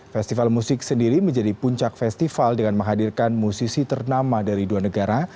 festival musik sendiri menjadi puncak festival dengan menghadirkan musisi ternama dari dua negara